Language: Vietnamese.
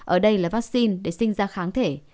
ở đây là vaccine để sinh ra kháng thể